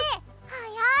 はやい！